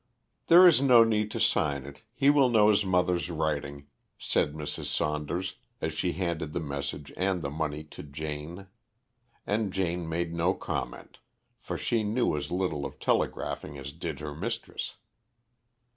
"There is no need to sign it; he will know his mother's writing," said Mrs. Saunders, as she handed the message and the money to Jane; and Jane made no comment, for she knew as little of telegraphing as did her mistress.